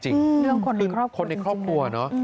เรื่องคนในครอบครัวจริงเลยนะ